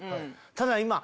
ただ今。